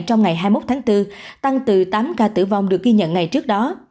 trong ngày hai mươi một tháng bốn tăng từ tám ca tử vong được ghi nhận ngày trước đó